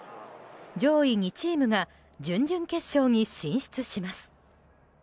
上位２チームが準々決勝に進出します。